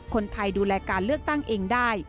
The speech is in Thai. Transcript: คนไทยดูแลการเลือกตั้งเองได้